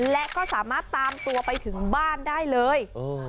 และก็สามารถตามตัวไปถึงบ้านได้เลย